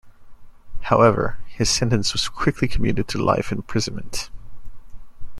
However, his sentence was quickly commuted to life imprisonment.